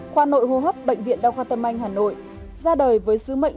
khoa nội hô hấp bệnh viện đa khoa tâm anh hà nội ra đời với sứ mệnh